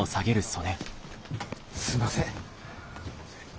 すいません。